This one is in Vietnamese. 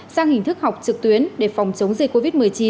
sang hình thức học trực tuyến để phòng chống dịch covid một mươi chín